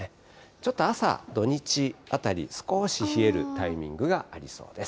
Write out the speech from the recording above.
ちょっと朝、土日あたり、少し冷えるタイミングがありそうです。